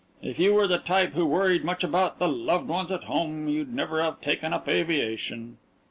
If you were the type who worried much about the loved ones at home, you'd never have taken up aviation."